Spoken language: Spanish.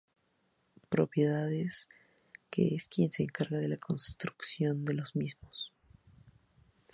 Propiedades que es quien se encarga de la construcción de los mismos.